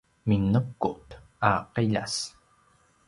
minequt a qiljas